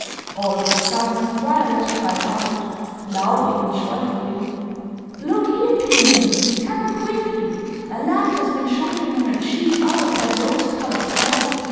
All of a sudden, Violet cried out, loudly and joyfully,—"Look here, Peony! Come quickly! A light has been shining on her cheek out of that rose colored cloud!